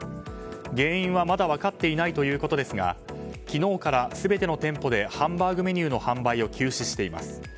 原因はまだ分かっていないということですが昨日から全ての店舗でハンバーグメニューの販売を休止しています。